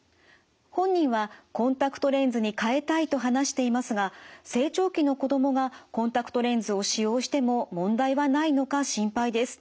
本人はコンタクトレンズに替えたいと話していますが成長期の子どもがコンタクトレンズを使用しても問題はないのか心配です。